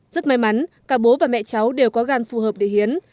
rất may mắn cả bố và mẹ cháu đều có gan phù hợp để hiến